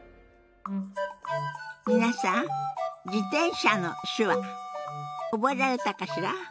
皆さん「自転車」の手話覚えられたかしら？